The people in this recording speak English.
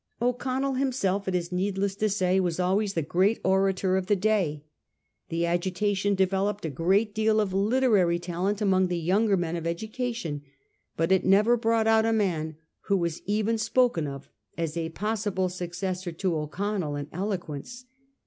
O'Connell himself, it is needless to say, was always the great orator of the day. The agitation developed a great deal of literary talent among the younger men of education ; but it never brought out a man who was even spoken of as a possible suc cessor to O'Connell in eloquence.